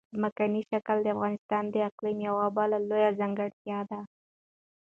ځمکنی شکل د افغانستان د اقلیم یوه بله لویه ځانګړتیا ده.